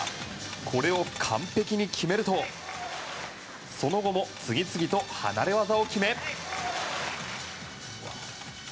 これを完璧に決めるとその後も次々と離れ技を決め。